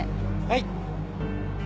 はい。